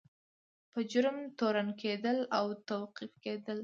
په جرم تورن کیدل او توقیف کیدل.